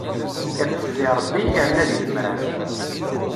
Iṭṭef di Ṛebbi, irna di temrart.